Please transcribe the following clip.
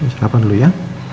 sarapan dulu ya